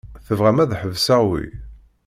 Tebɣam ad ḥesbeɣ wi?